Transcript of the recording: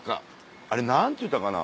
あれ何ていうたかな。